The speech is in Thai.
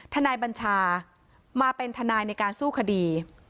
นายบัญชามาเป็นทนายในการสู้คดี